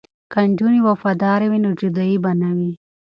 که نجونې وفادارې وي نو جدایی به نه وي.